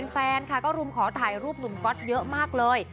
แฟนค่ะก็รุมขอถ่ายรูปหนุ่มก๊อตเยอะมากเลย